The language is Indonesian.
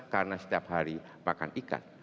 karena setiap hari makan ikan